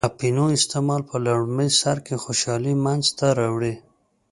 اپینو استعمال په لومړی سر کې خوشحالي منځته راوړي.